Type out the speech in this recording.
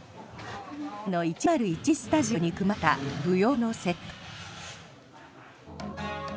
ＮＨＫの１０１スタジオに組まれた舞踊のセット。